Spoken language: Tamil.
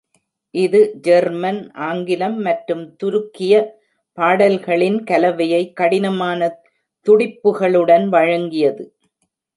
இது ஜெர்மன், ஆங்கிலம் மற்றும் துருக்கிய பாடல்களின் கலவையை கடினமான துடிப்புகளுடன் வழங்கியது.